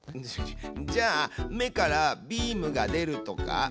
じゃあ目からビームが出るとか？